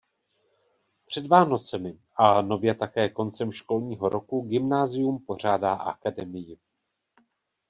Před Vánocemi a nově také koncem školního roku gymnázium pořádá akademii.